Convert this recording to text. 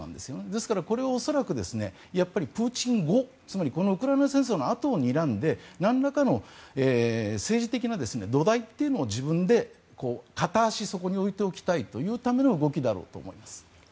ですからこれは恐らくプーチン後つまりウクライナ戦争のあとをにらんでなんらかの政治的な土台というのを自分で片足を、そこに置いておきたいというための動きだろうと思います。